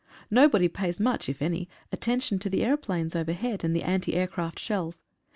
Nobody pays much, if any, attention to the aeroplanes overhead, and the anti aircraft shells.